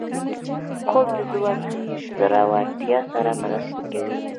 خوب د زړورتیا سره مرسته کوي